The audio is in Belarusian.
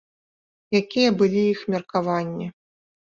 Якія былі іх меркаванні?